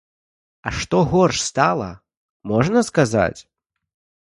А што горш стала, можна сказаць?